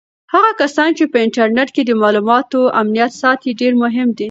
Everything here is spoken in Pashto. هغه کسان چې په انټرنیټ کې د معلوماتو امنیت ساتي ډېر مهم دي.